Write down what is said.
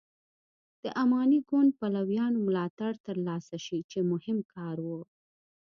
د اماني ګوند پلویانو ملاتړ تر لاسه شي چې مهم کار و.